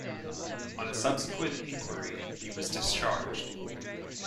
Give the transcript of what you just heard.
On a subsequent inquiry he was discharged.